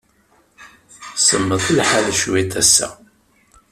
Semmeḍ lḥal cwiṭ ass-a.